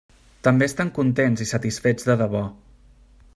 També estan contents i satisfets de debò.